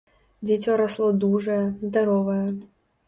Дзіцё расло дужае, здаровае.